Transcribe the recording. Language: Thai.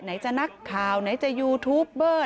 ไหนจะนักข่าวไหนจะยูทูปเบอร์